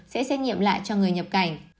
sẽ xét nghiệm lại cho người nhập cảnh